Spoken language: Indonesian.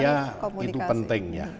bagi saya itu penting ya